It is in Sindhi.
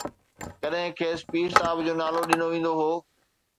ڪڏهن کيس پير صاحب جو نالو ڏنو ويندو هو